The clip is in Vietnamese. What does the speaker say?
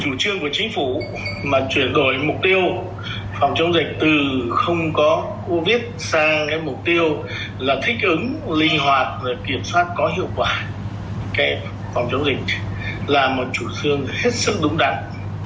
chủ trương của chính phủ mà chuyển đổi mục tiêu phòng chống dịch từ không có covid sang mục tiêu là thích ứng linh hoạt và kiểm soát có hiệu quả phòng chống dịch là một chủ trương hết sức đúng đắn